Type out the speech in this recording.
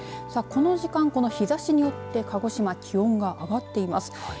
この時間、この日ざしによって鹿児島、気温が上がっています。